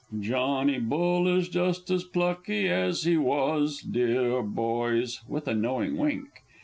_) Johnny Bull is just as plucky as he was, deah boys! (_With a knowing wink.